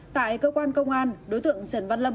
tại cơ quan công an đối tượng trần văn lâm